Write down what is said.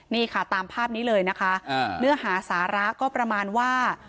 นี่ค่ะตามภาพนี้เลยนะคะเนื้อหาสาระก็ประมาณว่า